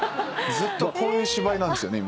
ずっとこういう芝居なんですよね